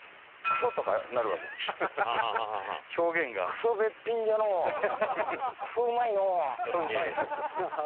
「くそうまいのぉ」。